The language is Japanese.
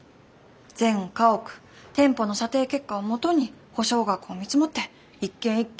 全家屋店舗の査定結果をもとに保証額を見積もって一軒一軒交渉に行く。